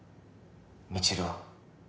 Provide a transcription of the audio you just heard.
未知留は？